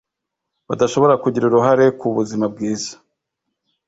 badashobora kugira uruhare ku buzima bwiza